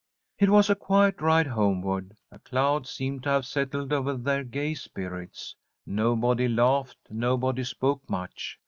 It was a quiet ride homeward. A cloud seemed to have settled over their gay spirits. Nobody laughed, nobody spoke much.